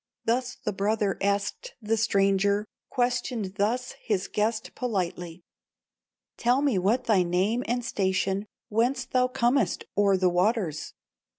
Thus the brother asked the stranger, Questioned thus his guest politely: 'Tell me what thy name and station, Whence thou comest o'er the waters!